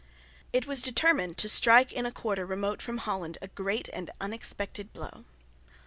It was determined to strike in a quarter remote from Holland a great and unexpected blow.